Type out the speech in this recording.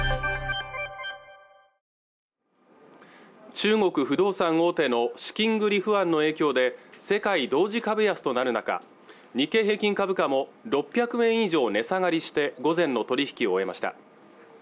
中国不動産大手の資金繰り不安の影響で世界同時株安となるなか日経平均株価も６００円以上値下がりして午前の取り引きを終えました